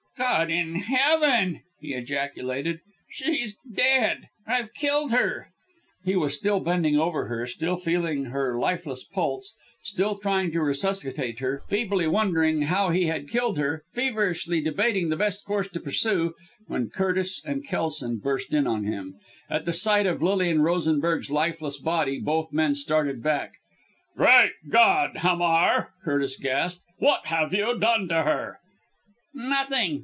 "God in Heaven!" he ejaculated, "she's dead! I've killed her!" He was still bending over her still feeling her lifeless pulse, still trying to resuscitate her feebly wondering how he had killed her, feverishly debating the best course to pursue when Curtis and Kelson burst in on him. At the sight of Lilian Rosenberg's lifeless body both men started back. "Great God! Hamar!" Curtis gasped. "What have you done to her?" "Nothing!"